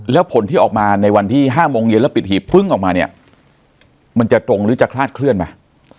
แล้วผลที่ออกมาในวันที่๕โมงเย็นแล้วปิดหีบพึ่งออกมาเนี่ยมันจะตรงหรือจะคลาดเคลื่อนไหม